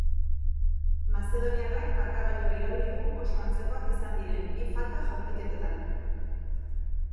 Mazedoniarrak markagailua irauli du oso antzekoak izan diren bi falta-jaurtiketetan.